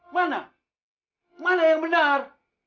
mana mana yang benar